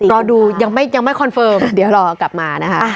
รอดูยังไม่คอนเฟิร์มเดี๋ยวรอกลับมานะคะ